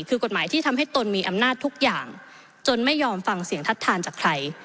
คือกฎหมายที่ทำให้ตนมีอำนาจทุกอย่างจนไม่ยอมฟังเสียงทัดทานจากใคร